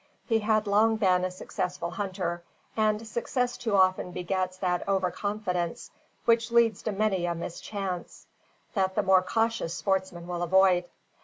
He had long been a successful hunter, and success too often begets that over confidence which leads to many a mischance, that the more cautious sportsman will avoid.